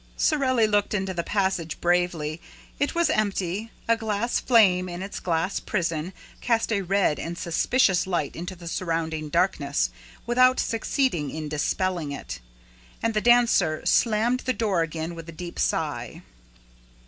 Sorelli looked into the passage bravely. It was empty; a gas flame, in its glass prison, cast a red and suspicious light into the surrounding darkness, without succeeding in dispelling it. And the dancer slammed the door again, with a deep sigh.